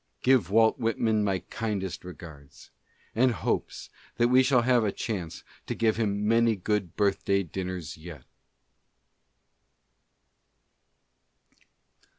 Give Walt Whitman my kindest regards, and hopes that we shall have a chance to give him a good many birthday dinners yet.